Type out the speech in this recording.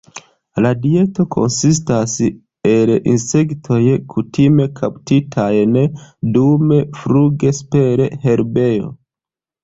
La dieto konsistas el insektoj, kutime kaptitajn dumfluge super herbejo.